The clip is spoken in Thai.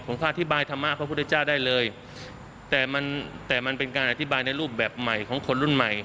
พระอธิบายธรรมะพระพุทธเจ้าได้เลยแต่มันแต่มันเป็นการอธิบายในรูปแบบใหม่ของคนรุ่นใหม่